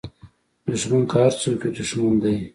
دوښمن که هر څوک وي دوښمن دی